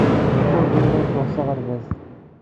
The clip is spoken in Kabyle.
Ur bɣiɣ ad dduɣ s aɣerbaz.